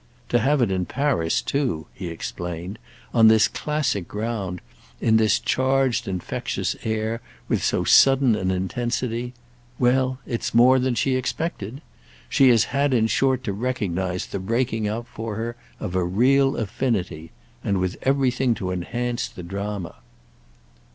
To have it in Paris too," he explained—"on this classic ground, in this charged infectious air, with so sudden an intensity: well, it's more than she expected. She has had in short to recognise the breaking out for her of a real affinity—and with everything to enhance the drama."